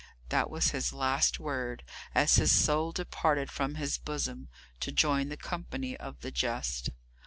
That was his last word, as his soul departed from his bosom, to join the company of the just.